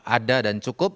ada dan cukup